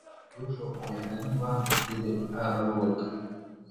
Южо оръеҥлан тиде арулык